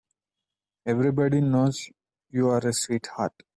Everybody knows you're a sweetheart.